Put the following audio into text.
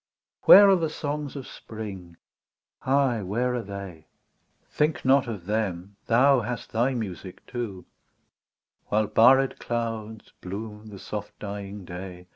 Where are the songs of Spring ? Ay, where are they .'' Think not of them, thou hast thy music too, — While barred clouds bloom the soft dying day.